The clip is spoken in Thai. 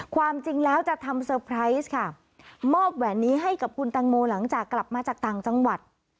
ความจริงแล้วจะทำเซอร์ไพรส์ค่ะมอบแหวนนี้ให้กับคุณตังโมหลังจากกลับมาจากต่างจังหวัด